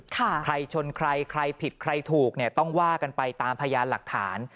ใครชนใครใครผิดใครถูกเนี่ยต้องว่ากันไปตามพยานหลักฐาน